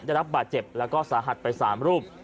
ได้รับบาดเจ็บแล้วก็สาหัสไป๓รูป